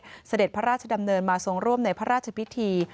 เสด็จพระราชดำเนินมาทรงร่วมในพระราชพิธี